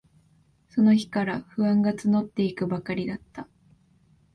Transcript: その日から、不安がつのっていくばかりだった。